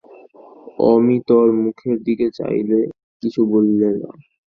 অমিতর মুখের দিকে চাইলে, কিছু বললে না।